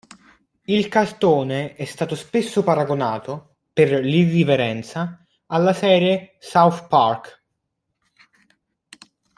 Il cartone è stato spesso paragonato, per l'irriverenza, alla serie South Park.